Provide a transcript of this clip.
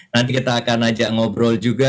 nanti kita akan ajak ngobrol juga